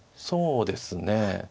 そうですね。